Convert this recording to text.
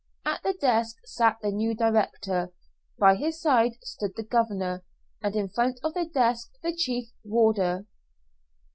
At the desk sat the new director, by his side stood the governor, and in front of the desk the chief warder.